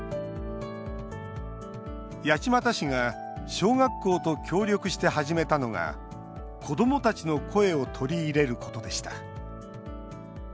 八街市が小学校と協力して始めたのが子どもたちの声を取り入れることでした。